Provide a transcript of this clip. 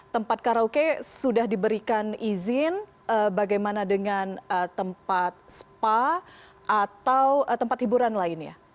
tempat karaoke sudah diberikan izin bagaimana dengan tempat spa atau tempat hiburan lainnya